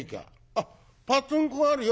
「あっパツンコあるよ